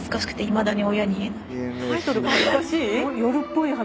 タイトルが恥ずかしい？